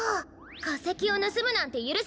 かせきをぬすむなんてゆるせない！